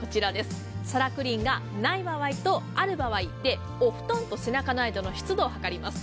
サラクリーンがない場合とある場合、お布団と背中の間の湿度をはかります。